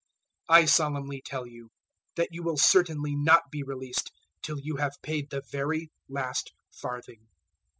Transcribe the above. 005:026 I solemnly tell you that you will certainly not be released till you have paid the very last farthing.